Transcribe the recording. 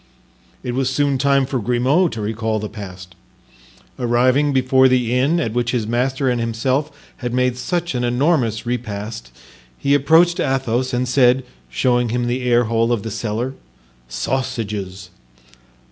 It was soon time for Grimaud to recall the past. Arriving before the inn at which his master and himself had made such an enormous repast, he approached Athos and said, showing him the airhole of the cellar: "Sausages!"